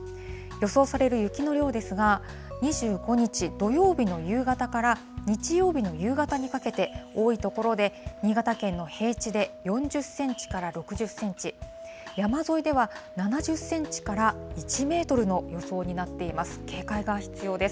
予想される雪の量ですが、２５日土曜日の夕方から日曜日の夕方にかけて、多い所で新潟県の平地で４０センチから６０センチ、山沿いでは７０センチから１メートルの予想になっています。